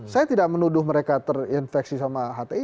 saya tidak menuduh mereka terinfeksi sama hti